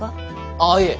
ああいえ。